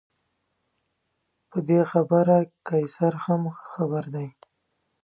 په دې خبره قیصر هم ښه خبر دی.